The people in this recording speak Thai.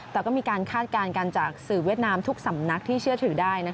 แต่ก็มีการคาดการณ์กันจากสื่อเวียดนามทุกสำนักที่เชื่อถือได้